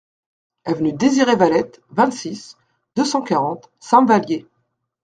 Avenue Désiré Valette, vingt-six, deux cent quarante Saint-Vallier